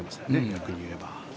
逆に言えば。